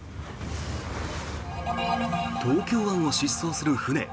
東京湾を疾走する船。